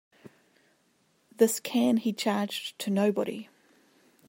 This can he charged to nobody.